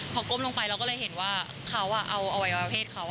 พอก้มลงไปเราก็เลยเห็นว่าเขาเอาอวัยวะเพศเขา